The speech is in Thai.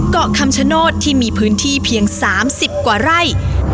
เกาะคำชโนธที่มีพื้นที่เพียง๓๐กว่าไร่